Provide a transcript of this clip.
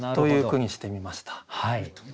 はい